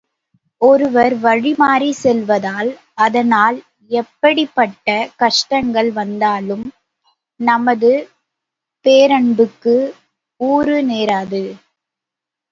ஒருவர் வழிமாறிச் செல்வதால், அதனால் எப்படிப்பட்ட கஷ்டங்கள் வந்தாலும், நமது பேரன்புக்கு ஊறு நேராது.